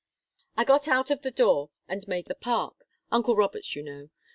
I got out of the door, and made for the park uncle Robert's, you know.